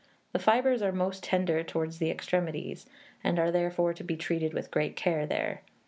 The fibres are most tender towards the extremities, and are therefore to be treated with great care there.